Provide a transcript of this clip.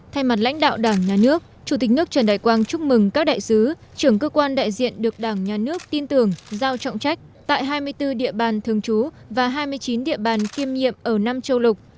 thay mặt lãnh đạo đảng nhà nước chủ tịch nước trần đại quang chúc mừng các đại sứ trưởng cơ quan đại diện được đảng nhà nước tin tưởng giao trọng trách tại hai mươi bốn địa bàn thường trú và hai mươi chín địa bàn kiêm nhiệm ở năm châu lục